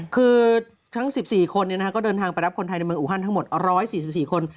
คือทั้ง๑๔คนก็เดินทางไปรับคนไทยในเมืองอูฮันทั้งหมด๑๔๔คน